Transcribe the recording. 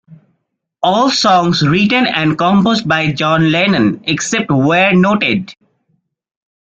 All songs written and composed by John Lennon, except where noted.